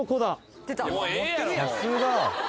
さすが！